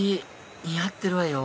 似合ってるわよ